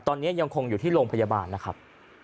ตอนนี้ยังคงอยู่ที่โรงพยาบาลนะครับ